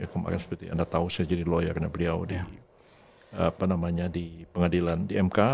kemarin seperti anda tahu saya jadi lawyer karena beliau di pengadilan di mk